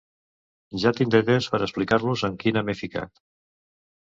Ja tindré temps per a explicar-los en quina m'he ficat!